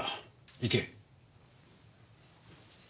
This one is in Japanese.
行け。